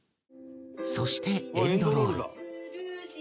そしてエンドロール